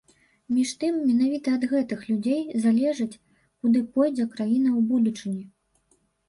Між тым, менавіта ад гэтых людзей залежыць, куды пойдзе краіна ў будучыні.